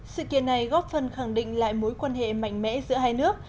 sự kiện này góp phần khẳng định lại mối quan hệ mạnh mẽ giữa hai nước